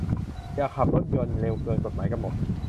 อย่าขับรถยนต์เร็วเกินกฎหมายกำหนด